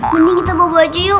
mending kita bawa baju yuk